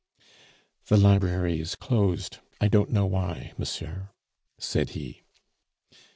"The library is closed; I don't know why, monsieur," said he.